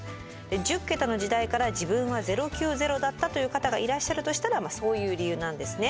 １０桁の時代から自分は「０９０」だったという方がいらっしゃるとしたらそういう理由なんですね。